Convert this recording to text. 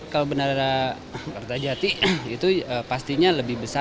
kalau bandara kertajati itu pastinya lebih besar